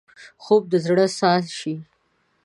خوب د زړه ساه شي